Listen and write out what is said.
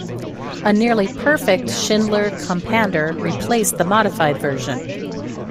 A nearly perfect Shindler Compander replaced the modified version.